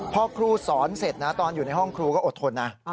พอครูสอนเสร็จนะตอนอยู่ในห้องครูก็อดทนนะ